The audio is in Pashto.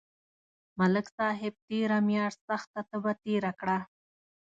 ملک صاحب تېره میاشت سخته تبه تېره کړه